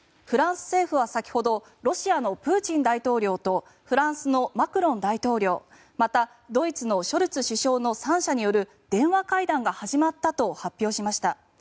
フランス政府は先ほどロシアのプーチン大統領とフランスのマクロン大統領また、ドイツのショルツ首相の３者による電話会談が始まったと発表しました。